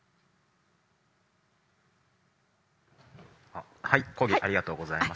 あっはい講義ありがとうございました。